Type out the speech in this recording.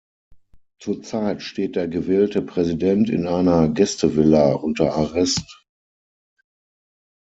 Zurzeit steht der gewählte Präsident in einer Gästevilla unter Arrest.